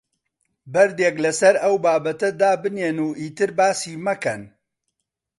بەردێک لەسەر ئەو بابەتە دابنێن و ئیتر باسی مەکەن.